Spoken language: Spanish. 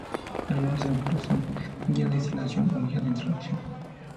Algunos ejemplos son: Guía de Instalación o Guía de Introducción.